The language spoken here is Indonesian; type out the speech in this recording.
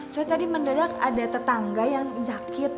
saya tadi mendadak ada tetangga yang sakit